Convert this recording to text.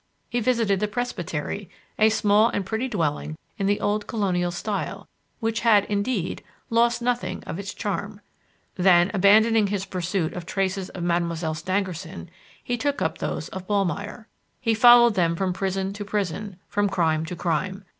He visited the "presbytery" a small and pretty dwelling in the old colonial style which had, indeed, "lost nothing of its charm." Then, abandoning his pursuit of traces of Mademoiselle Stangerson, he took up those of Ballmeyer. He followed them from prison to prison, from crime to crime.